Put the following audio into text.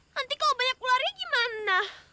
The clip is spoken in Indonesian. nanti kalau banyak ularnya gimana